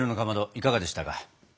いかがでしたか？